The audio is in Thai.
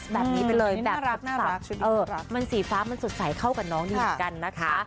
แบบนี้ไปเลยน่ารักมันสีฟ้ามันสดใสเข้ากับน้องดีเหมือนกันนะคะ